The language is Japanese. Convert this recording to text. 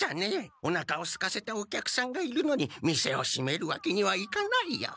おなかをすかせたお客さんがいるのに店をしめるわけにはいかないよ。